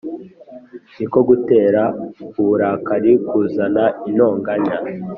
ni ko gutera uburakari kuzana intonganya”